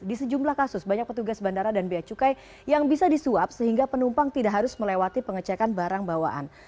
di sejumlah kasus banyak petugas bandara dan beacukai yang bisa disuap sehingga penumpang tidak harus melewati pengecekan barang bawaan